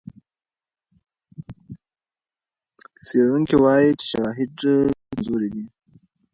څېړونکي وايي چې شواهد کمزوري دي.